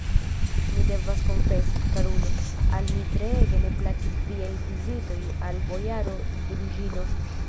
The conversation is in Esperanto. Mi devas konfesi, karulo, al mi treege ne plaĉis viaj vizitoj al bojaro Druĵino.